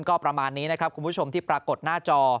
ก็ประมาณนี้นะครับคุณผู้ชมที่ปรากฏหน้าจอ